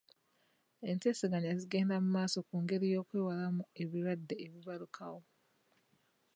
Enteesaganya zigenda mu maaso ku ngeri y'okwewalamu ebirwadde ebibalukawo.